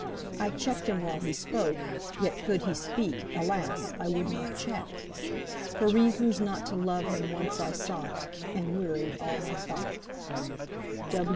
I check'd him while he spoke; yet, could he speak, Alas! I would not check. For reasons not to love him once I sought, And wearied all my thought."